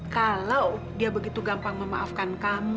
kalau dia begitu gampang memaafkan kami